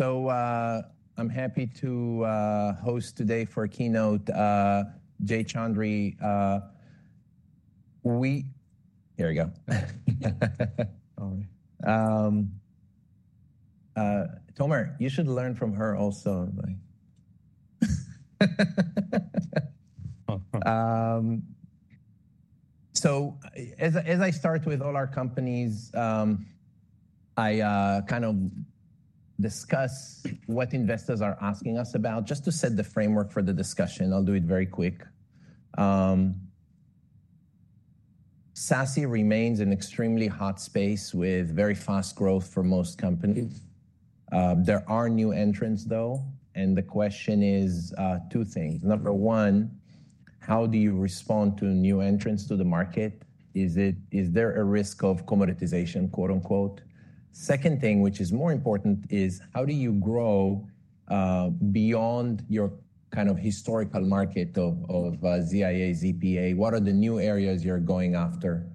I'm happy to host today for a keynote, Jay Chaudhry. Here we go. Tomer, you should learn from her also. As I start with all our companies, I kind of discuss what investors are asking us about, just to set the framework for the discussion. I'll do it very quick. SASE remains an extremely hot space with very fast growth for most companies. There are new entrants, though. The question is, two things. Number one, how do you respond to new entrants to the market? Is there a risk of commoditization, quote unquote? Second thing, which is more important, is how do you grow beyond your kind of historical market of ZIA, ZPA? What are the new areas you're going after?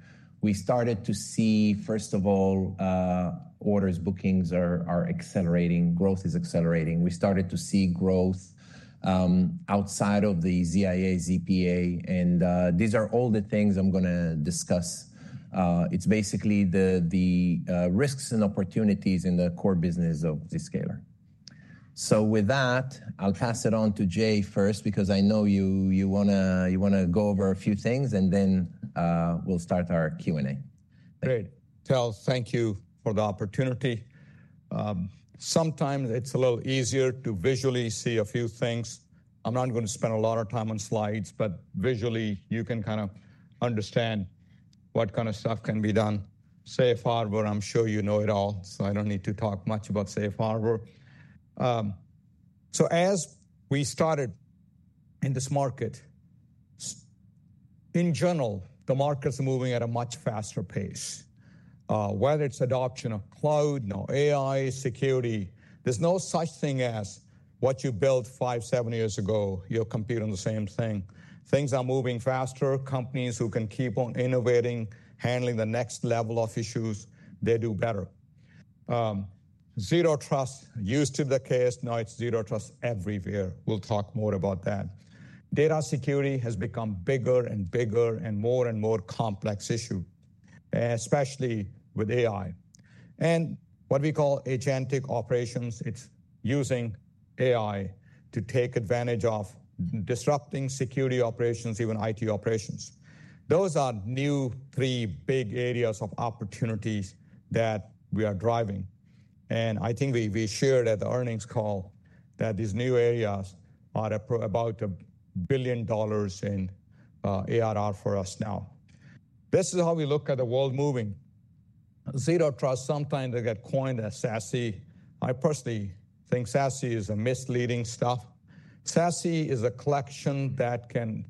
We started to see, first of all, orders, bookings are accelerating. Growth is accelerating. We started to see growth outside of the ZIA, ZPA. These are all the things I'm going to discuss. It's basically the risks and opportunities in the core business of Zscaler. With that, I'll pass it on to Jay first, because I know you want to go over a few things, and then we'll start our Q&A. Great. Tal, thank you for the opportunity. Sometimes it's a little easier to visually see a few things. I'm not going to spend a lot of time on slides, but visually you can kind of understand what kind of stuff can be done. Safe harbor, I'm sure you know it all, so I don't need to talk much about safe harbor. As we started in this market, in general, the markets are moving at a much faster pace. Whether it's adoption of cloud, now AI, security, there's no such thing as what you built five, seven years ago, you'll compete on the same thing. Things are moving faster. Companies who can keep on innovating, handling the next level of issues, they do better. Zero Trust, used to the case, now it's Zero Trust everywhere. We'll talk more about that. Data security has become bigger and bigger and more and more complex issue, especially with AI. And what we call agentic operations, it's using AI to take advantage of disrupting security operations, even IT operations. Those are new three big areas of opportunities that we are driving. I think we shared at the earnings call that these new areas are about a billion dollars in ARR for us now. This is how we look at the world moving. Zero Trust, sometimes they get coined as SASE. I personally think SASE is a misleading stuff. SASE is a collection that can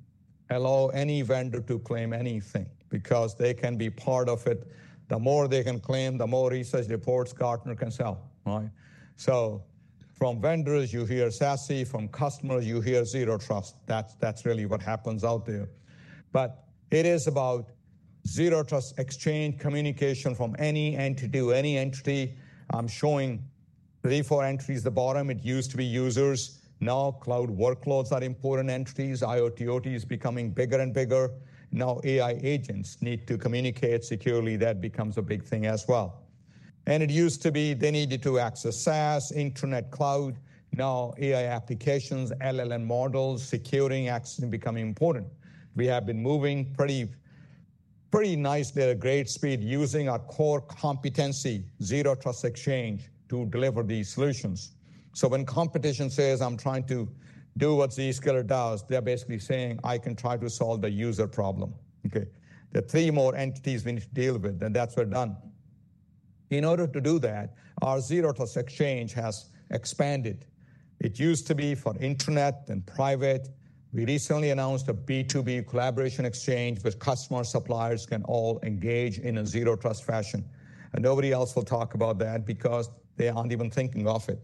allow any vendor to claim anything because they can be part of it. The more they can claim, the more research reports Gartner can sell, right? From vendors, you hear SASE; from customers, you hear Zero Trust. That's, that's really what happens out there. It is about Zero Trust exchange communication from any entity to any entity. I'm showing three, four entities at the bottom. It used to be users. Now cloud workloads are important entities. IoT OT is becoming bigger and bigger. Now AI agents need to communicate securely. That becomes a big thing as well. It used to be they needed to access SaaS, intranet, cloud. Now AI applications, LLM models, securing access becoming important. We have been moving pretty nicely at a great speed using our core competency, Zero Trust exchange, to deliver these solutions. When competition says, "I'm trying to do what Zscaler does," they're basically saying, "I can try to solve the user problem." There are three more entities we need to deal with, and that's where we're done. In order to do that, our Zero Trust exchange has expanded. It used to be for intranet and private. We recently announced a B2B Collaboration Exchange where customers, suppliers can all engage in a Zero Trust fashion. Nobody else will talk about that because they are not even thinking of it.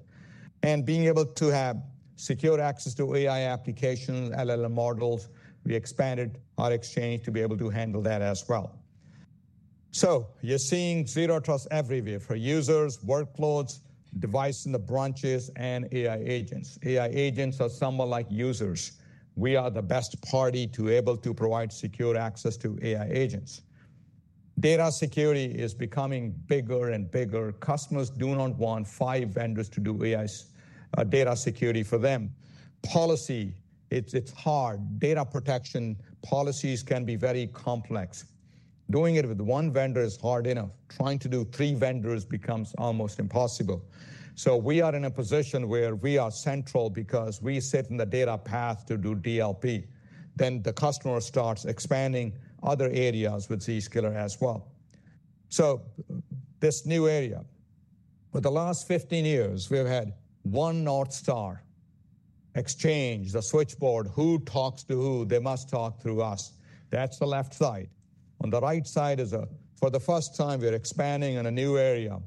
Being able to have secure access to AI applications, LLM models, we expanded our exchange to be able to handle that as well. You are seeing Zero Trust everywhere for users, workloads, devices in the branches, and AI agents. AI agents are somewhat like users. We are the best party to be able to provide secure access to AI agents. Data security is becoming bigger and bigger. Customers do not want five vendors to do AI data security for them. Policy, it is, it is hard. Data protection policies can be very complex. Doing it with one vendor is hard enough. Trying to do three vendors becomes almost impossible. We are in a position where we are central because we sit in the data path to do DLP. Then the customer starts expanding other areas with Zscaler as well. This new area, for the last 15 years, we've had one North Star exchange, the switchboard, who talks to who, they must talk through us. That's the left side. On the right side is a, for the first time, we're expanding in a new area.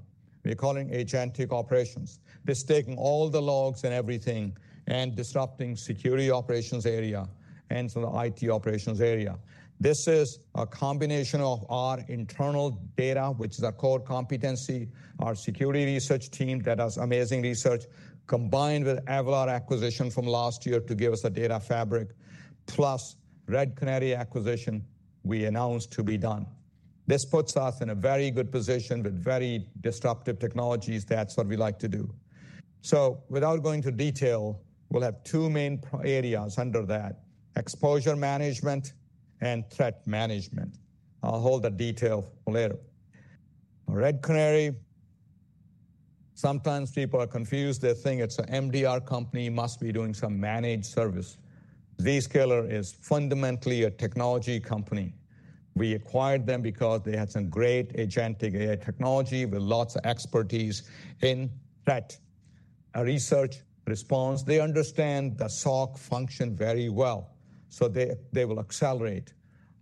We're calling agentic operations. This is taking all the logs and everything and disrupting security operations area and some of the IT operations area. This is a combination of our internal data, which is our core competency, our security research team that does amazing research, combined with Avalor acquisition from last year to give us a data fabric, plus Red Canary acquisition we announced to be done. This puts us in a very good position with very disruptive technologies. That's what we like to do. Without going to detail, we'll have two main areas under that: exposure management and threat management. I'll hold that detail later. Red Canary, sometimes people are confused. They think it's an MDR company, must be doing some managed service. Zscaler is fundamentally a technology company. We acquired them because they had some great agentic AI technology with lots of expertise in threat research response. They understand the SOC function very well. They will accelerate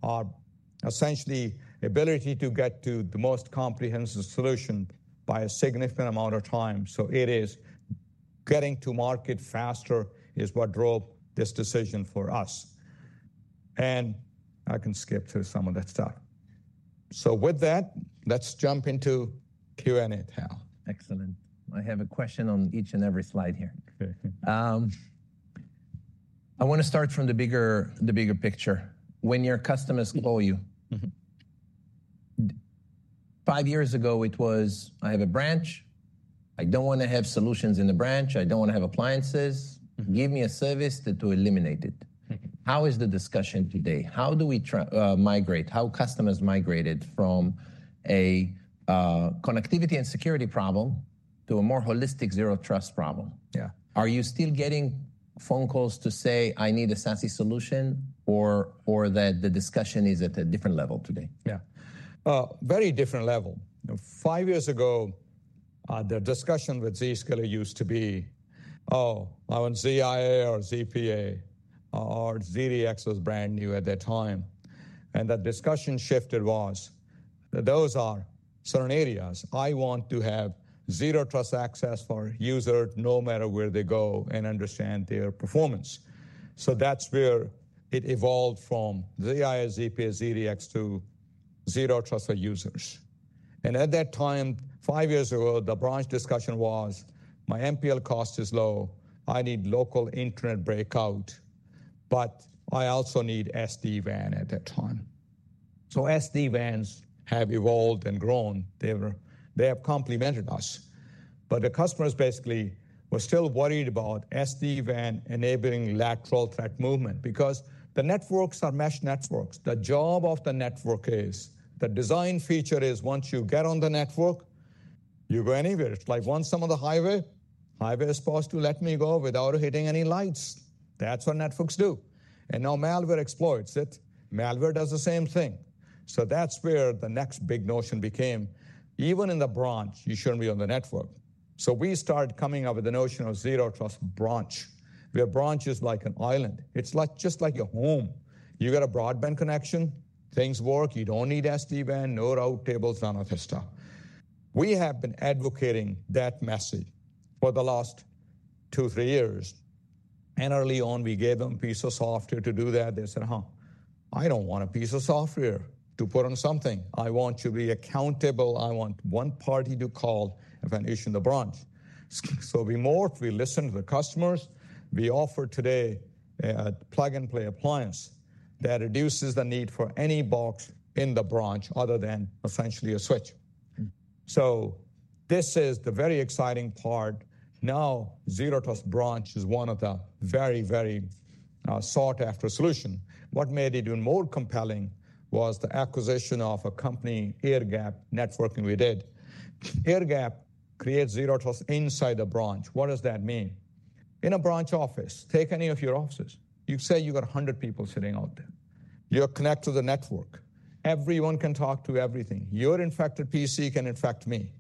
our essentially ability to get to the most comprehensive solution by a significant amount of time. It is getting to market faster is what drove this decision for us. I can skip through some of that stuff. With that, let's jump into Q&A, Tal. Excellent. I have a question on each and every slide here. I want to start from the bigger, the bigger picture. When your customers call you, five years ago, it was, "I have a branch. I do not want to have solutions in the branch. I do not want to have appliances. Give me a service to eliminate it." How is the discussion today? How do we migrate? How customers migrated from a connectivity and security problem to a more holistic Zero Trust problem? Yeah. Are you still getting phone calls to say, "I need a SASE solution" or that the discussion is at a different level today? Yeah. Very different level. Five years ago, the discussion with Zscaler used to be, "Oh, I want ZIA or ZPA," or ZDX was brand new at that time. The discussion shifted was that those are certain areas. I want to have Zero Trust access for users no matter where they go and understand their performance. That is where it evolved from ZIA, ZPA, ZDX to Zero Trust for users. At that time, five years ago, the branch discussion was, "My MPL cost is low. I need local intranet breakout, but I also need SD-WAN at that time." SD-WANs have evolved and grown. They have complemented us. The customers basically were still worried about SD-WAN enabling lateral threat movement because the networks are mesh networks. The job of the network is, the design feature is, once you get on the network, you go anywhere. It's like once I'm on the highway, highway is supposed to let me go without hitting any lights. That's what networks do. Now malware exploits it. Malware does the same thing. That's where the next big notion became. Even in the branch, you shouldn't be on the network. We started coming up with the notion of Zero Trust branch, where branch is like an island. It's just like your home. You got a broadband connection, things work. You don't need SD-WAN, no route tables, none of this stuff. We have been advocating that message for the last two, three years. Early on, we gave them a piece of software to do that. They said, "Huh, I don't want a piece of software to put on something. I want to be accountable. I want one party to call if I issue the branch. We morph, we listen to the customers. We offer today a plug and play appliance that reduces the need for any box in the branch other than essentially a switch. This is the very exciting part. Now, Zero Trust Branch is one of the very, very sought-after solutions. What made it even more compelling was the acquisition of a company, Airgap Networks. We did. Airgap creates Zero Trust inside the branch. What does that mean? In a branch office, take any of your offices. You say you got a hundred people sitting out there. You're connected to the network. Everyone can talk to everything. Your infected PC can infect me.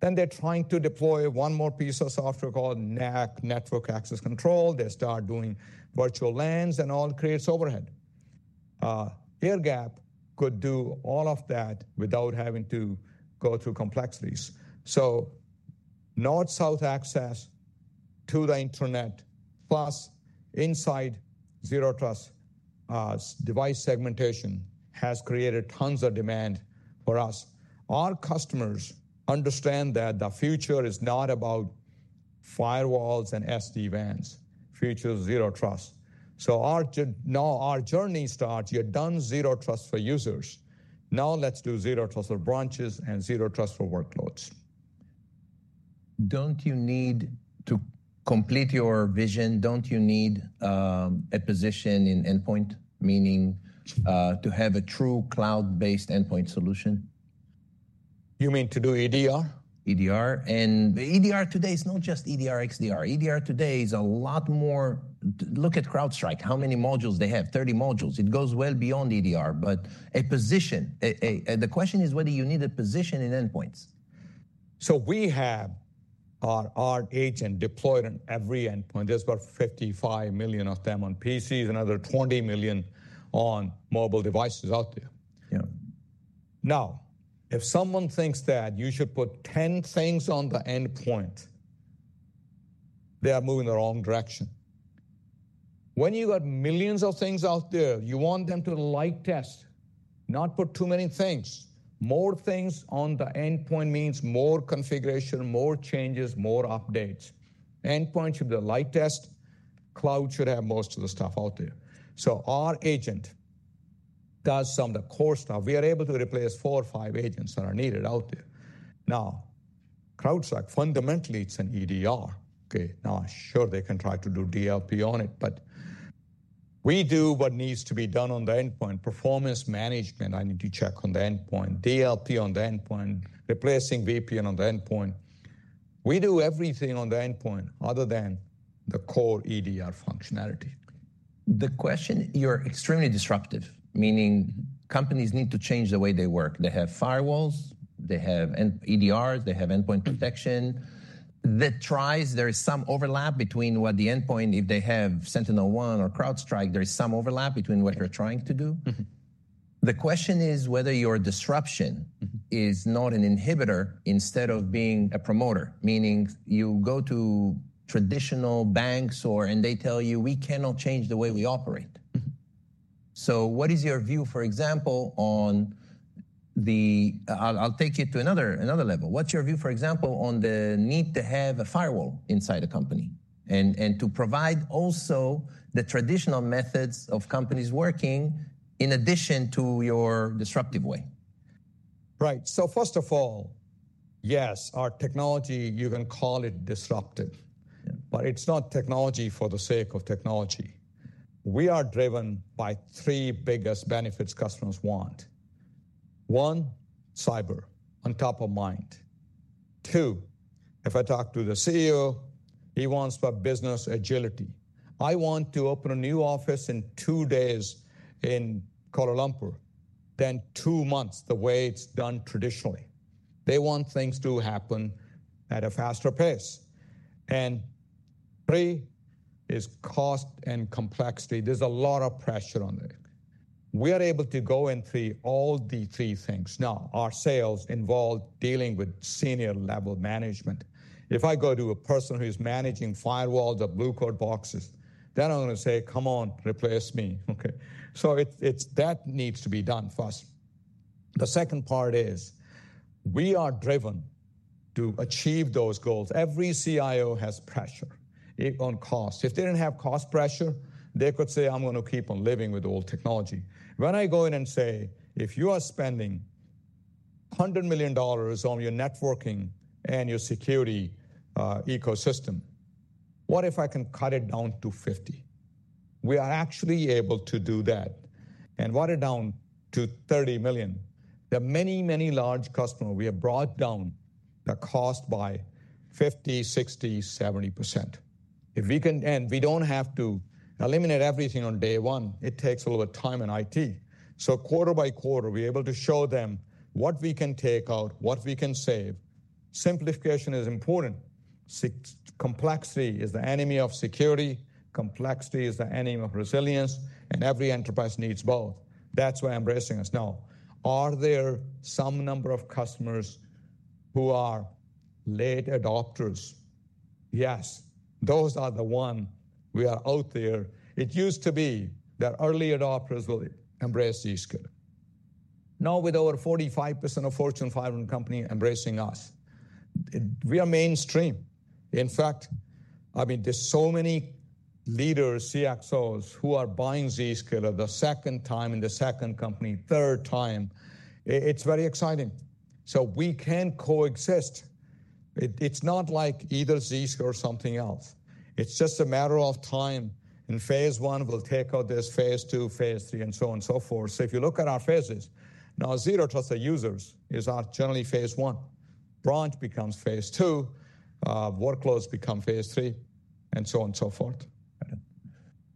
They are trying to deploy one more piece of software called NAC, Network Access Control. They start doing virtual LANs and all creates overhead. Airgap could do all of that without having to go through complexities. North-South access to the intranet, plus inside Zero Trust, device segmentation has created tons of demand for us. Our customers understand that the future is not about firewalls and SD-WANs. Future is zero trust. Our journey starts, you've done Zero Trust for users. Now let's do Zero Trust for branches and Zero Trust for workloads. Don't you need to complete your vision? Don't you need a position in endpoint, meaning, to have a true cloud-based endpoint solution? You mean to do EDR? EDR. The EDR today is not just EDR, XDR. EDR today is a lot more. Look at CrowdStrike, how many modules they have, 30 modules. It goes well beyond EDR, but a position, the question is whether you need a position in endpoints. We have our agent deployed on every endpoint. There's about 55 million of them on PCs and another 20 million on mobile devices out there. Yeah. Now, if someone thinks that you should put 10 things on the endpoint, they are moving in the wrong direction. When you got millions of things out there, you want them to be lightest, not put too many things. More things on the endpoint means more configuration, more changes, more updates. Endpoint should be the lightest. Cloud should have most of the stuff out there. So our agent does some of the core stuff. We are able to replace four or five agents that are needed out there. Now, CrowdStrike, fundamentally, it's an EDR. Okay. Now, sure, they can try to do DLP on it, but we do what needs to be done on the endpoint, performance management. I need to check on the endpoint, DLP on the endpoint, replacing VPN on the endpoint. We do everything on the endpoint other than the core EDR functionality. The question, you're extremely disruptive, meaning companies need to change the way they work. They have firewalls, they have EDRs, they have endpoint protection. That tries, there is some overlap between what the endpoint, if they have SentinelOne or CrowdStrike, there is some overlap between what they're trying to do. The question is whether your disruption is not an inhibitor instead of being a promoter, meaning you go to traditional banks and they tell you, "We cannot change the way we operate." What is your view, for example, on the, I'll take it to another, another level. What's your view, for example, on the need to have a firewall inside a company and to provide also the traditional methods of companies working in addition to your disruptive way? Right. First of all, yes, our technology, you can call it disruptive, but it's not technology for the sake of technology. We are driven by three biggest benefits customers want. One, cyber on top of mind. Two, if I talk to the CEO, he wants business agility. I want to open a new office in two days in Kuala Lumpur, than two months the way it's done traditionally. They want things to happen at a faster pace. Three is cost and complexity. There's a lot of pressure on there. We are able to go and see all the three things. Now, our sales involve dealing with senior level management. If I go to a person who's managing firewalls or Blue Coat boxes, then I'm going to say, "Come on, replace me." Okay. It's that needs to be done first. The second part is we are driven to achieve those goals. Every CIO has pressure on cost. If they did not have cost pressure, they could say, "I'm going to keep on living with old technology." When I go in and say, "If you are spending $100 million on your networking and your security ecosystem, what if I can cut it down to 50?" We are actually able to do that and water it down to $30 million. The many, many large customers, we have brought down the cost by 50%, 60%, 70%. If we can, and we do not have to eliminate everything on day one, it takes a little bit of time in IT. Quarter by quarter, we are able to show them what we can take out, what we can save. Simplification is important. Complexity is the enemy of security. Complexity is the enemy of resilience. Every enterprise needs both. That is why I am embracing us now. Are there some number of customers who are late adopters? Yes. Those are the ones we are out there. It used to be that early adopters would embrace Zscaler. Now, with over 45% of fortune 500 companies embracing us, we are mainstream. In fact, I mean, there are so many leaders, CXOs who are buying Zscaler the second time in the second company, third time. It is very exciting. We can coexist. It is not like either Zscaler or something else. It is just a matter of time in phase one will take out this, phase two, phase three, and so on and so forth. If you look at our phases, now Zero Trust of users is generally phase one. Branch becomes phase two, workloads become phase three, and so on and so forth.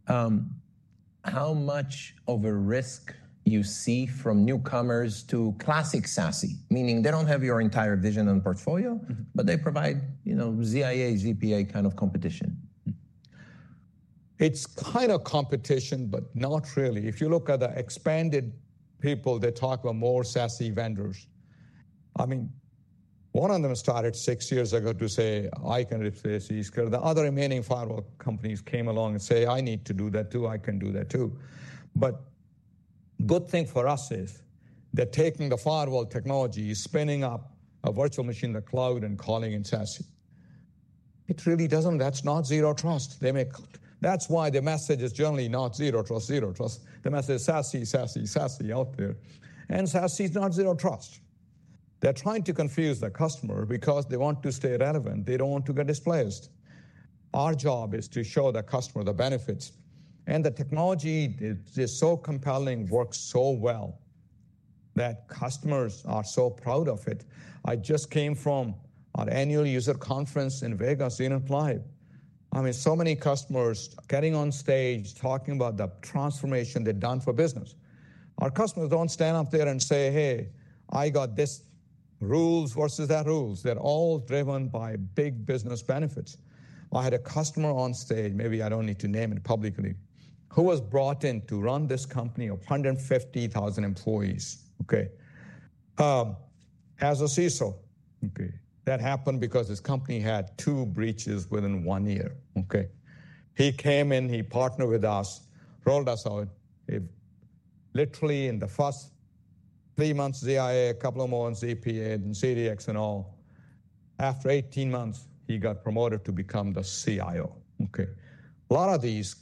how much of a risk you see from newcomers to classic SASE, meaning they don't have your entire vision and portfolio, but they provide, you know, ZIA, ZPA kind of competition? how much of a risk you see from newcomers to classic SASE, meaning they don't have your entire vision and portfolio, but they provide, you know, ZIA, ZPA kind of competition? It's kind of competition, but not really. If you look at the expanded people, they talk about more SASE vendors. I mean, one of them started six years ago to say, "I can replace Zscaler." The other remaining firewall companies came along and said, "I need to do that too. I can do that too." Good thing for us is they're taking the firewall technology, spinning up a virtual machine, the cloud, and calling it SASE. It really doesn't, that's not zero trust. They may, that's why the message is generally not Zero Trust, Zero Trust. The message is SASE, SASE, SASE out there. SASE is not Zero Trust. They're trying to confuse the customer because they want to stay relevant. They don't want to get displaced. Our job is to show the customer the benefits. The technology is so compelling, works so well that customers are so proud of it. I just came from our annual user conference in Las Vegas, Zenith Live. I mean, so many customers getting on stage, talking about the transformation they've done for business. Our customers don't stand up there and say, "Hey, I got this rules versus that rules." They're all driven by big business benefits. I had a customer on stage, maybe I don't need to name it publicly, who was brought in to run this company of 150,000 employees. Okay, as a CISO, okay, that happened because his company had two breaches within one year. Okay, he came in, he partnered with us, rolled us out. Literally in the first three months, ZIA, a couple more on ZPA and ZDX and all. After 18 months, he got promoted to become the CIO. Okay. A lot of these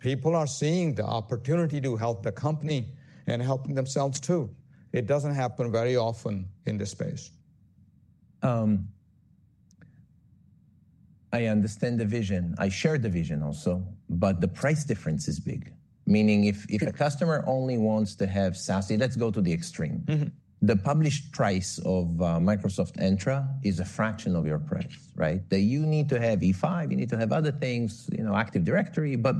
people are seeing the opportunity to help the company and helping themselves too. It doesn't happen very often in this space. I understand the vision. I share the vision also, but the price difference is big. Meaning if a customer only wants to have SASE, let's go to the extreme. The published price of Microsoft Entra is a fraction of your price, right? That you need to have E5, you need to have other things, you know, Active Directory, but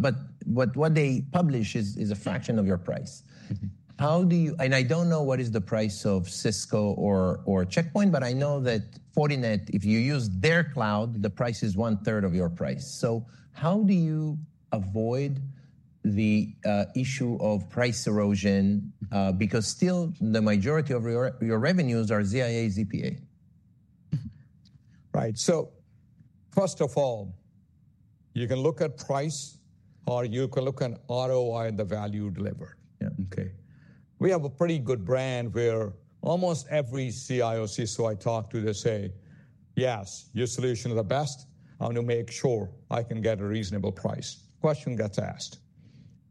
what they publish is a fraction of your price. How do you, and I don't know what is the price of Cisco or Check Point, but I know that Fortinet, if you use their cloud, the price is one third of your price. How do you avoid the issue of price erosion? Because still the majority of your revenues are ZIA, ZPA. Right. First of all, you can look at price or you can look at ROI, the value delivered. We have a pretty good brand where almost every CIO, CISO I talk to, they say, "Yes, your solution is the best. I want to make sure I can get a reasonable price." Question gets asked.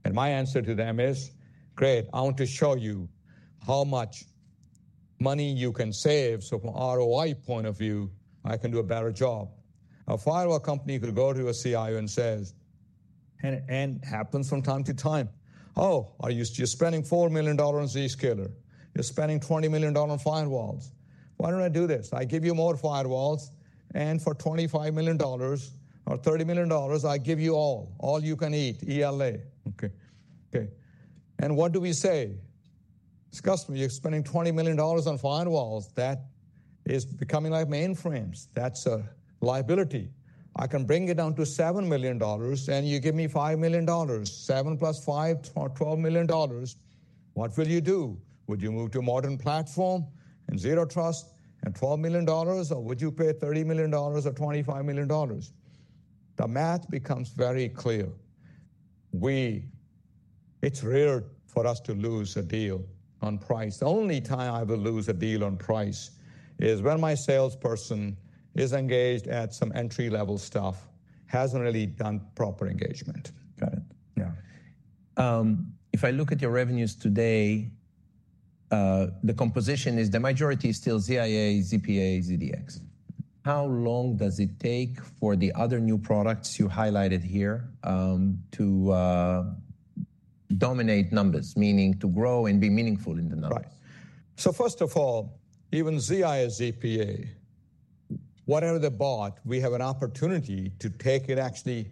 My answer to them is, "Great. I want to show you how much money you can save." From ROI point of view, I can do a better job. A firewall company could go to a CIO and says, and it happens from time to time, "Oh, are you just spending $4 million on Zscaler? You're spending $20 million on firewalls. Why don't I do this? I give you more firewalls and for $25 million or $30 million, I give you all, all you can eat, ELA. What do we say? Customer, you're spending $20 million on firewalls. That is becoming like mainframes. That's a liability. I can bring it down to $7 million and you give me $5 million, 7+5, $12 million. What will you do? Would you move to a modern platform and Zero Trust and $12 million? Would you pay $30 million or $25 million? The math becomes very clear. It's rare for us to lose a deal on price. The only time I will lose a deal on price is when my salesperson is engaged at some entry level stuff, hasn't really done proper engagement. Got it. Yeah. If I look at your revenues today, the composition is the majority is still ZIA, ZPA, ZDX. How long does it take for the other new products you highlighted here to dominate numbers, meaning to grow and be meaningful in the numbers? Right. First of all, even ZIA, ZPA, whatever they bought, we have an opportunity to take it actually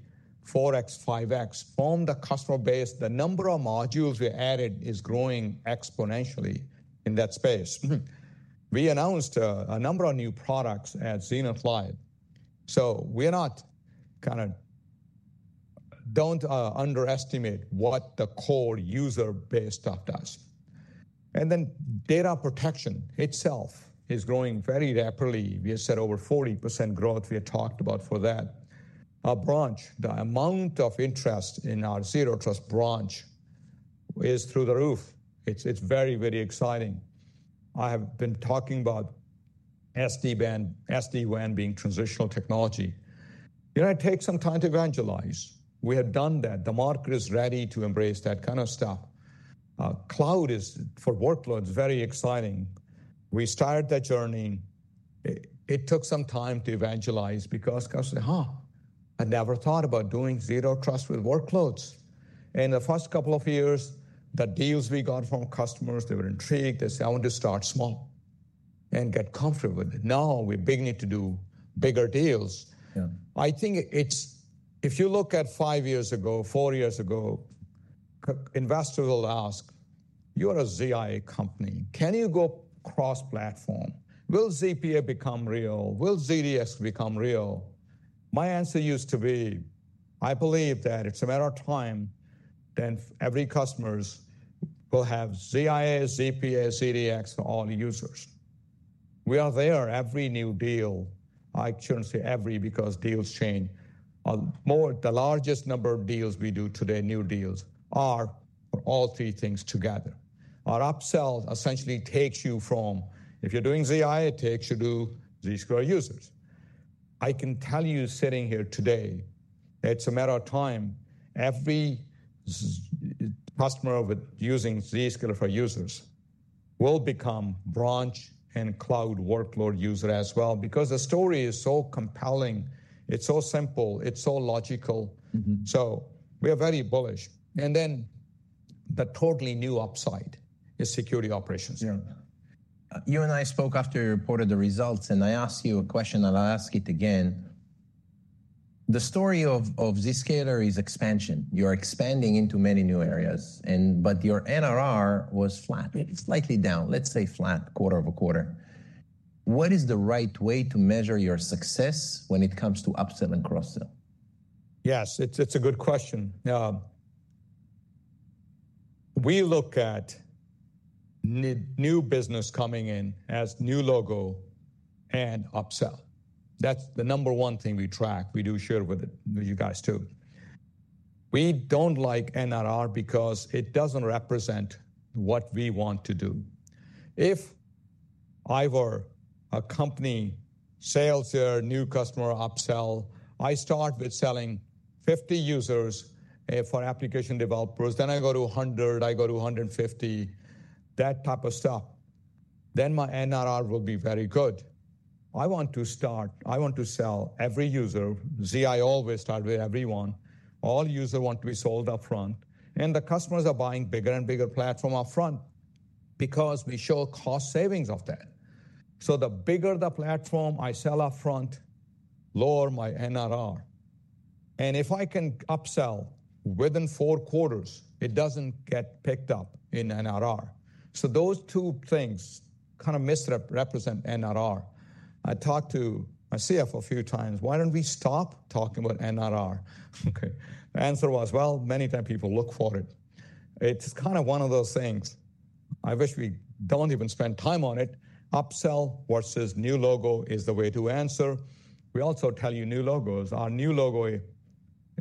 4x, 5x, from the customer base. The number of modules we added is growing exponentially in that space. We announced a number of new products at Zenith Live. We are not kind of, don't underestimate what the core user base stuff does. Data protection itself is growing very rapidly. We have said over 40% growth we had talked about for that. Our branch, the amount of interest in our Zero Trust Branch is through the roof. It's very, very exciting. I have been talking about SD-WAN being transitional technology. It might take some time to evangelize. We have done that. The market is ready to embrace that kind of stuff. Cloud is for workloads, very exciting. We started that journey. It took some time to evangelize because customers, "Huh, I never thought about doing Zero Trust with workloads." The first couple of years, the deals we got from customers, they were intrigued. They said, "I want to start small and get comfortable with it." Now we're beginning to do bigger deals. I think it's, if you look at five years ago, four years ago, investors will ask, "You are a ZIA company. Can you go cross-platform? Will ZPA become real? Will ZDX become real?" My answer used to be, "I believe that it's a matter of time. Then every customer will have ZIA, ZPA, ZDX for all users." We are there every new deal. I shouldn't say every because deals change. The largest number of deals we do today, new deals are for all three things together. Our upsell essentially takes you from, if you're doing ZIA, it takes you to Zscaler for users. I can tell you sitting here today, it's a matter of time. Every customer using Zscaler for users will become branch and cloud workload user as well because the story is so compelling. It's so simple. It's so logical. We are very bullish. The totally new upside is security operations. You and I spoke after you reported the results, and I asked you a question, and I'll ask it again. The story of Zscaler is expansion. You are expanding into many new areas, but your NRR was flat, slightly down, let's say flat, quarter of a quarter. What is the right way to measure your success when it comes to upsell and cross-sell? Yes, it's a good question. We look at new business coming in as new logo and upsell. That's the number one thing we track. We do share with you guys too. We don't like NRR because it doesn't represent what we want to do. If I were a company sales or new customer upsell, I start with selling 50 users for application developers, then I go to 100, I go to 150, that type of stuff. Then my NRR will be very good. I want to start, I want to sell every user. ZIA always starts with everyone. All users want to be sold upfront. The customers are buying bigger and bigger platform upfront because we show cost savings of that. The bigger the platform I sell upfront, lower my NRR. If I can upsell within four quarters, it doesn't get picked up in NRR. Those two things kind of misrepresent NRR. I talked to my CFO a few times, "Why don't we stop talking about NRR?" Okay. The answer was, "Well, many times people look for it." It's kind of one of those things. I wish we don't even spend time on it. Upsell versus new logo is the way to answer. We also tell you new logos. Our new logo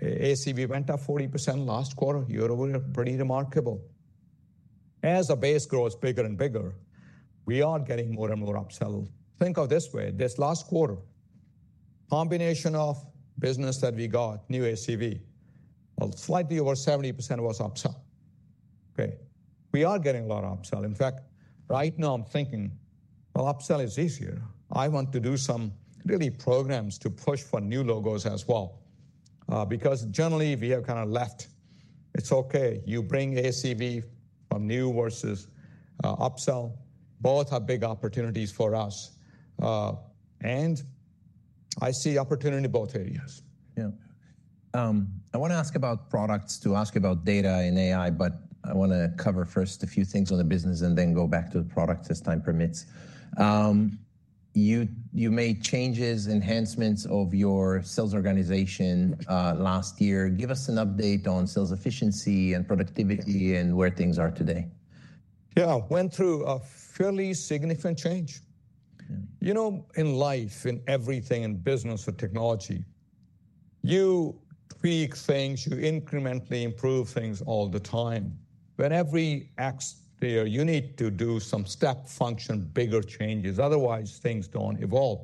ACV went up 40% last quarter. You're already pretty remarkable. As our base grows bigger and bigger, we are getting more and more upsell. Think of it this way. This last quarter, combination of business that we got, new ACV, well, slightly over 70% was upsell. Okay. We are getting a lot of upsell. In fact, right now I'm thinking, "Well, upsell is easier. I want to do some really programs to push for new logos as well. Because generally we have kind of left. It's okay. You bring ACV from new versus upsell. Both are big opportunities for us. And I see opportunity in both areas. Yeah. I want to ask about products, to ask about data and AI, but I want to cover first a few things on the business and then go back to the products as time permits. You made changes, enhancements of your sales organization last year. Give us an update on sales efficiency and productivity and where things are today. Yeah, went through a fairly significant change. You know, in life, in everything in business or technology, you tweak things, you incrementally improve things all the time. When every X year, you need to do some step function, bigger changes. Otherwise, things do not evolve.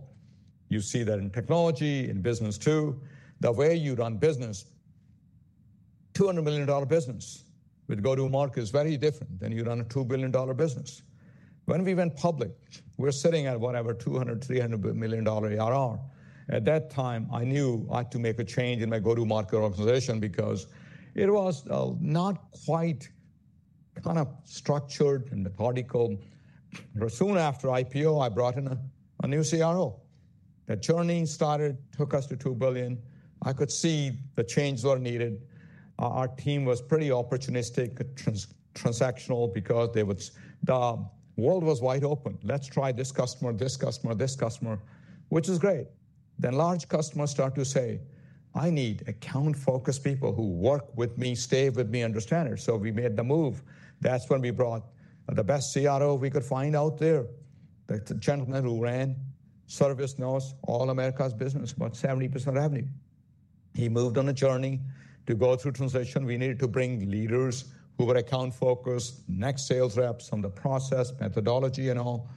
You see that in technology, in business too. The way you run business, $200 million business with go-to-market is very different than you run a $2 billion business. When we went public, we were sitting at whatever, $200, $300 million ARR. At that time, I knew I had to make a change in my go-to-market organization because it was not quite kind of structured and methodical. Soon after IPO, I brought in a new CRO. The journey started, took us to $2 billion. I could see the changes that were needed. Our team was pretty opportunistic, transactional because the world was wide open. Let's try this customer, this customer, this customer, which is great. Large customers start to say, "I need account-focused people who work with me, stay with me, understand it." We made the move. That's when we brought the best CRO we could find out there. The gentleman who ran, serviced us, all America's business, about 70% revenue. He moved on a journey to go through transition. We needed to bring leaders who were account-focused, next sales reps on the process, methodology, and all.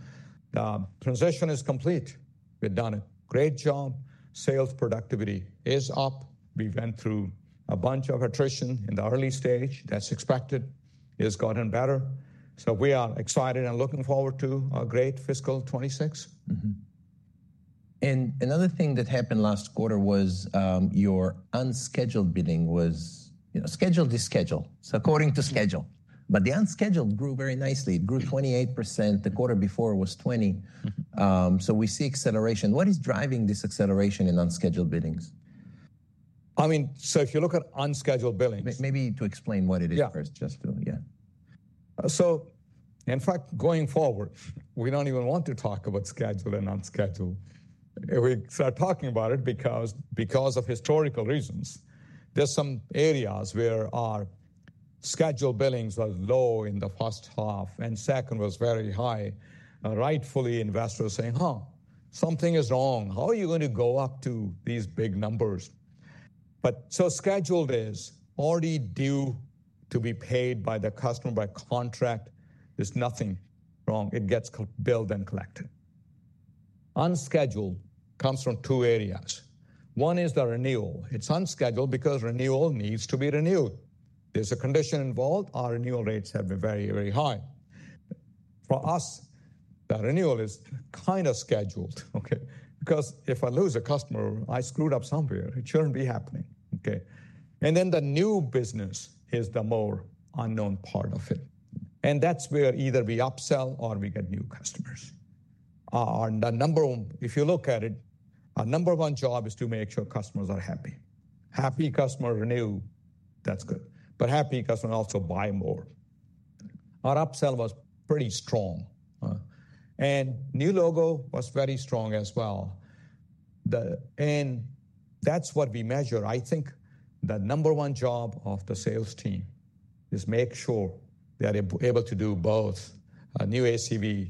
The transition is complete. We've done a great job. Sales productivity is up. We went through a bunch of attrition in the early stage. That's expected. It's gotten better. We are excited and looking forward to a great fiscal 2026. Another thing that happened last quarter was your unscheduled bidding was, you know, scheduled is scheduled, so according to schedule. But the unscheduled grew very nicely. It grew 28%. The quarter before was 20%. We see acceleration. What is driving this acceleration in unscheduled biddings? I mean, so if you look at unscheduled billings. Maybe to explain what it is first, just to, yeah. In fact, going forward, we don't even want to talk about scheduled and unscheduled. We start talking about it because of historical reasons. There are some areas where our scheduled billings were low in the first half and second was very high. Rightfully, investors saying, "Huh, something is wrong. How are you going to go up to these big numbers?" Scheduled is already due to be paid by the customer by contract. There is nothing wrong. It gets billed and collected. Unscheduled comes from two areas. One is the renewal. It is unscheduled because renewal needs to be renewed. There is a condition involved. Our renewal rates have been very, very high. For us, the renewal is kind of scheduled. Okay. Because if I lose a customer, I screwed up somewhere. It shouldn't be happening. Okay. The new business is the more unknown part of it. That is where either we upsell or we get new customers. If you look at it, our number one job is to make sure customers are happy. Happy customers renew. That is good. Happy customers also buy more. Our upsell was pretty strong. New logo was very strong as well. That is what we measure. I think the number one job of the sales team is to make sure they are able to do both. New ACV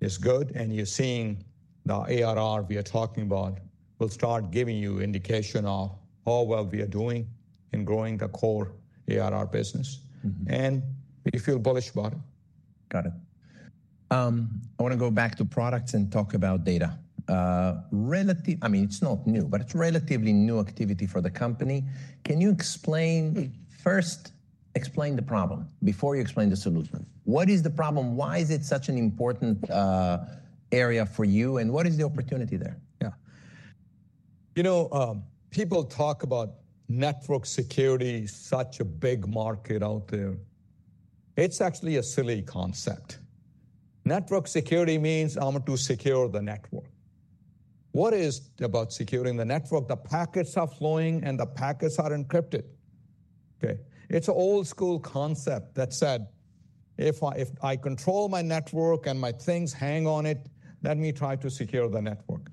is good. You are seeing the ARR we are talking about will start giving you indication of how well we are doing in growing the core ARR business. We feel bullish about it. Got it. I want to go back to products and talk about data. Relatively, I mean, it's not new, but it's relatively new activity for the company. Can you explain, first explain the problem before you explain the solution? What is the problem? Why is it such an important area for you? What is the opportunity there? Yeah. You know, people talk about network security, such a big market out there. It's actually a silly concept. Network security means I'm to secure the network. What is about securing the network? The packets are flowing and the packets are encrypted. Okay. It's an old school concept that said, if I control my network and my things hang on it, let me try to secure the network.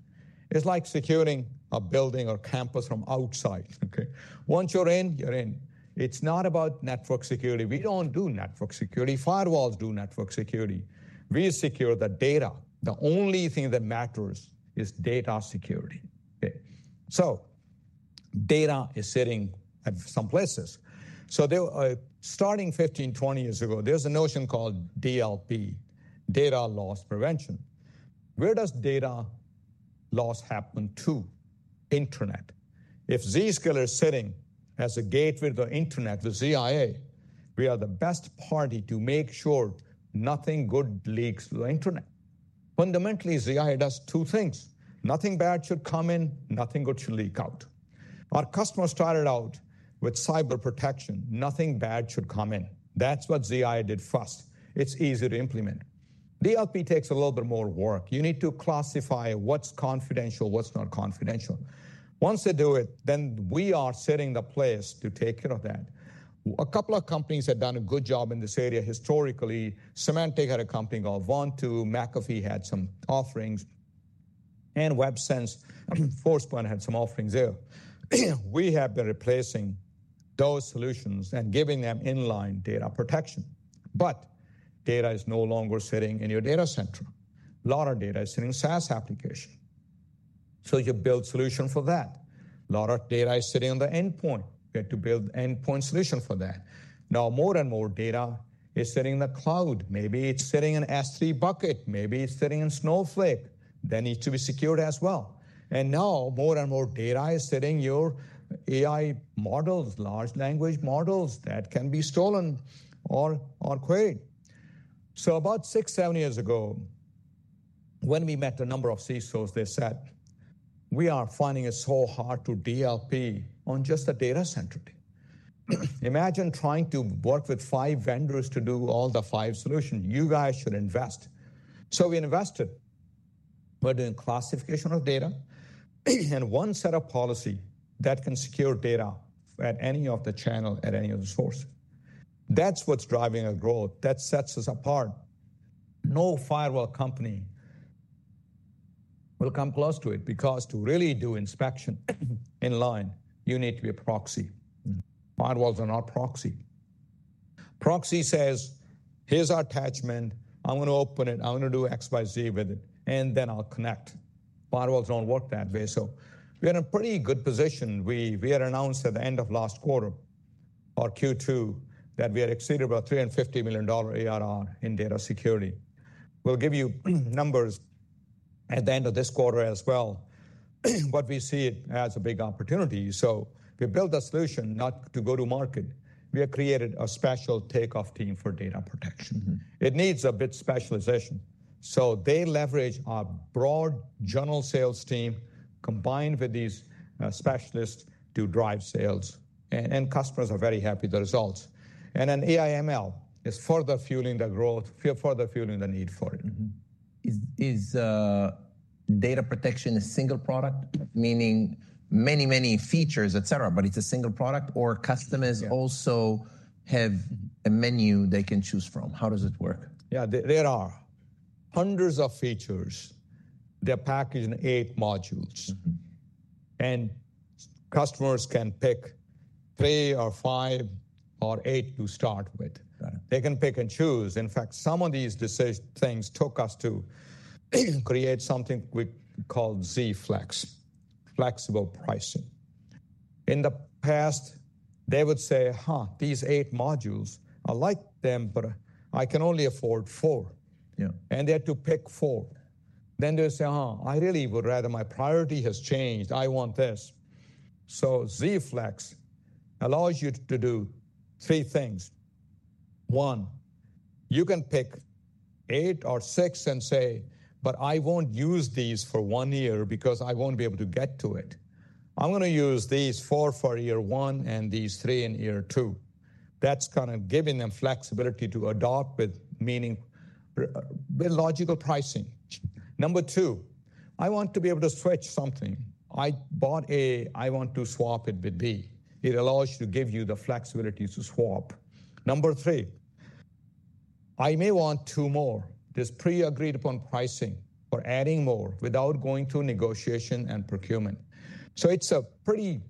It's like securing a building or campus from outside. Okay. Once you're in, you're in. It's not about network security. We don't do network security. Firewalls do network security. We secure the data. The only thing that matters is data security. Okay. So data is sitting at some places. So starting 15, 20 years ago, there's a notion called DLP, Data Loss Prevention. Where does data loss happen to? Internet. If Zscaler is sitting as a gateway to the internet, the ZIA, we are the best party to make sure nothing good leaks to the internet. Fundamentally, ZIA does two things. Nothing bad should come in. Nothing good should leak out. Our customers started out with cyber protection. Nothing bad should come in. That's what ZIA did first. It's easy to implement. DLP takes a little bit more work. You need to classify what's confidential, what's not confidential. Once they do it, then we are setting the place to take care of that. A couple of companies have done a good job in this area historically. Symantec had a company called Vontu. McAfee had some offerings. Websense, Forcepoint had some offerings there. We have been replacing those solutions and giving them inline data protection. Data is no longer sitting in your data center. A lot of data is sitting in SaaS application. So you build a solution for that. A lot of data is sitting on the endpoint. You have to build an endpoint solution for that. Now, more and more data is sitting in the cloud. Maybe it's sitting in S3 bucket. Maybe it's sitting in Snowflake. That needs to be secured as well. Now more and more data is sitting in your AI models, large language models that can be stolen or queried. About six, seven years ago, when we met a number of CISOs, they said, "We are finding it so hard to DLP on just a data center. Imagine trying to work with five vendors to do all the five solutions. You guys should invest." So we invested, but in classification of data and one set of policy that can secure data at any of the channels, at any of the sources. That's what's driving our growth. That sets us apart. No firewall company will come close to it because to really do inspection inline, you need to be a proxy. Firewalls are not proxy. Proxy says, "Here's our attachment. I'm going to open it. I'm going to do X, Y, Z with it, and then I'll connect." Firewalls don't work that way. We are in a pretty good position. We had announced at the end of last quarter, our Q2, that we had exceeded about $350 million ARR in data security. We'll give you numbers at the end of this quarter as well. We see it as a big opportunity. We built a solution not to go to market. We have created a special takeoff team for data protection. It needs a bit of specialization. They leverage our broad general sales team combined with these specialists to drive sales. Customers are very happy with the results. AI/ML is further fueling the growth, further fueling the need for it. Is data protection a single product? Meaning many, many features, etc., but it's a single product or customers also have a menu they can choose from? How does it work? Yeah, there are hundreds of features. They're packaged in eight modules. Customers can pick three or five or eight to start with. They can pick and choose. In fact, some of these things took us to create something we called Z-Flex, flexible pricing. In the past, they would say, "Huh, these eight modules, I like them, but I can only afford four." They had to pick four. They would say, "Huh, I really would rather, my priority has changed. I want this." Z-Flex allows you to do three things. One, you can pick eight or six and say, "But I won't use these for one year because I won't be able to get to it. I'm going to use these four for year one and these three in year two." That is kind of giving them flexibility to adopt with, meaning logical pricing. Number two, I want to be able to switch something. I bought A, I want to swap it with B. It allows you to give you the flexibility to swap. Number three, I may want two more. There is pre-agreed upon pricing for adding more without going through negotiation and procurement. It is a pretty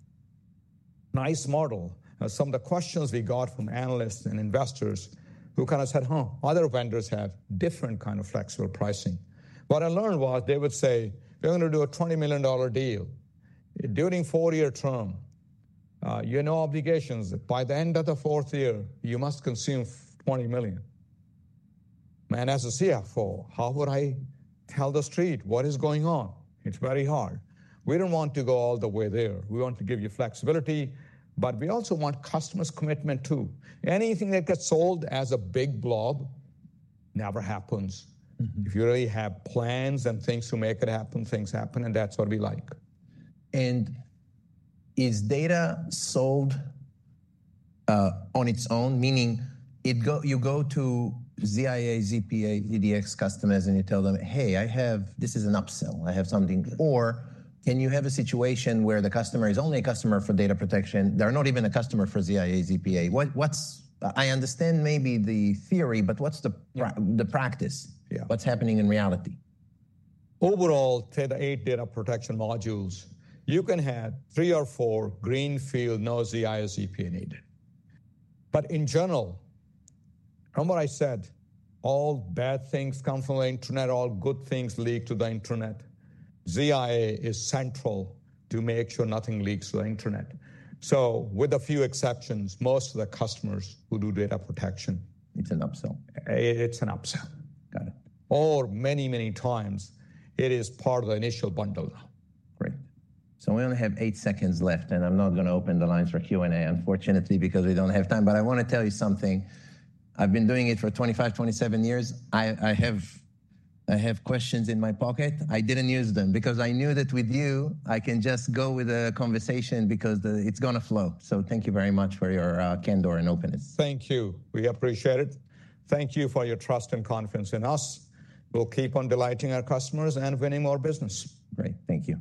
nice model. Some of the questions we got from analysts and investors who kind of said, "Huh, other vendors have different kinds of flexible pricing." What I learned was they would say, "We are going to do a $20 million deal during a four-year term. You have no obligations. By the end of the fourth year, you must consume $20 million." As a CFO, how would I tell the street what is going on? It is very hard. We do not want to go all the way there. We want to give you flexibility, but we also want customers' commitment too. Anything that gets sold as a big blob never happens. If you really have plans and things to make it happen, things happen, and that's what we like. Is data sold on its own? Meaning you go to ZIA, ZPA, DDX customers and you tell them, "Hey, I have, this is an upsell. I have something." Or can you have a situation where the customer is only a customer for data protection? They're not even a customer for ZIA, ZPA. I understand maybe the theory, but what's the practice? What's happening in reality? Overall, to the eight data protection modules, you can have three or four greenfield, no ZIA, ZPA needed. In general, remember I said all bad things come from the internet. All good things lead to the internet. ZIA is central to make sure nothing leaks to the internet. With a few exceptions, most of the customers who do data protection. It's an upsell. It's an upsell. Or many, many times it is part of the initial bundle. Great. We only have eight seconds left, and I'm not going to open the lines for Q&A, unfortunately, because we don't have time. I want to tell you something. I've been doing it for 25, 27 years. I have questions in my pocket. I didn't use them because I knew that with you, I can just go with a conversation because it's going to flow. Thank you very much for your candor and openness. Thank you. We appreciate it. Thank you for your trust and confidence in us. We'll keep on delighting our customers and winning more business. Great. Thank you.